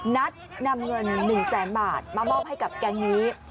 นำเงิน๑แสนบาทมามอบให้กับแก๊งนี้